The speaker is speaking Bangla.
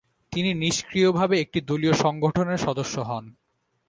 তিনি নিষ্ক্রিয়ভাবে একটি দলীয় সংগঠনের সদস্য হন।